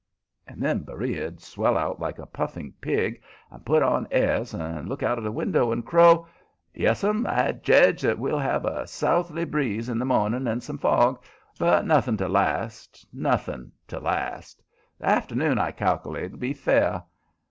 And then Beriah'd swell out like a puffing pig and put on airs and look out of the winder, and crow: "Yes'm, I jedge that we'll have a southerly breeze in the morning with some fog, but nothing to last, nothing to last. The afternoon, I cal'late, 'll be fair.